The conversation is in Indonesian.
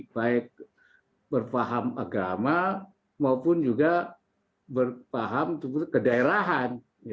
baik berfaham agama maupun juga berpaham kedaerahan